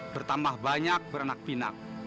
bertambah banyak berenak pinak